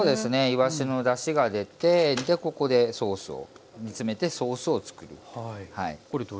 いわしのだしが出てでここでソースを煮詰めてソースを作ります。